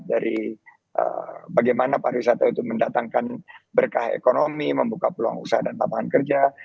dari bagaimana pariwisata itu mendatangkan berkah ekonomi membuka peluang usaha dan lapangan kerja